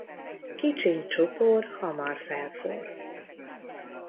Kicsiny csupor hamar felforr.